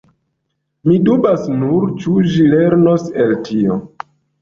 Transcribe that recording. Mi dubas nur, ĉu ĝi lernos el tio.